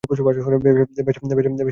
বেশ, এইটা কেমন হয়?